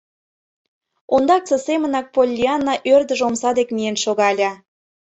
Ондаксе семынак Поллианна ӧрдыж омса дек миен шогале.